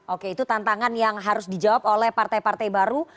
oke itu tantangan yang harus dijawab oleh partai partai baru